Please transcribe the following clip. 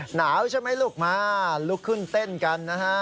หนาวใช่ไหมลูกมาลุกขึ้นเต้นกันนะฮะ